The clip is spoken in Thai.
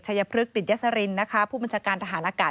ชัยพรึกติดยักษาริญนะคะ